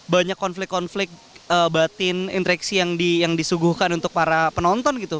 banyak konflik konflik batin interaksi yang disuguhkan untuk para penonton gitu